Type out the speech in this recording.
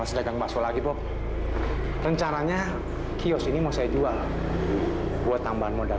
sampai jumpa di video selanjutnya